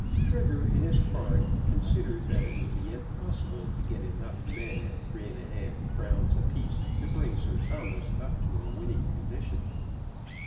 Trigger in his heart considered that it would be impossible to get enough men at three half crowns a piece to bring Sir Thomas up to a winning condition.